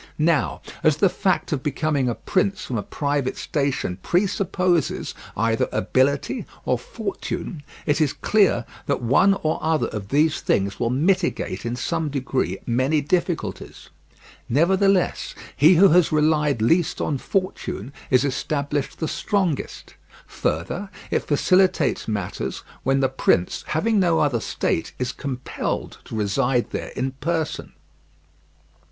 Now, as the fact of becoming a prince from a private station presupposes either ability or fortune, it is clear that one or other of these things will mitigate in some degree many difficulties. Nevertheless, he who has relied least on fortune is established the strongest. Further, it facilitates matters when the prince, having no other state, is compelled to reside there in person.